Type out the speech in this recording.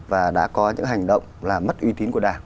và đã có những hành động làm mất uy tín của đảng